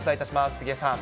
杉江さん。